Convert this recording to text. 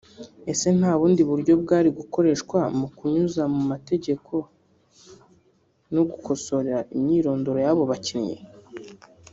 Ese nta bundi buryo bwari gukoreshwa mu kunyuza mu mategeko no gukosora imyirondoro y’abo bakinnyi